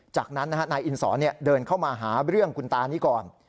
จากนั้นนายอินสอนเดินเข้ามาหาเรื่องคุณตานี้ก่อน